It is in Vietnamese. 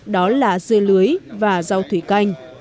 đó là dưa lưới và rau thủy canh